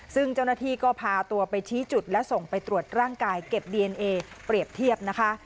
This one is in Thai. ซึ่งเจ้าหน้าที่ก็พาตัวไปชี้จุดและส่งไปตรวจร่างกายเก็บดีเอนเอเปรียบเทียบนะคะ